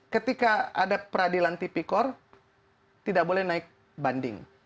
ketika ada peradilan tipikor tidak boleh naik banding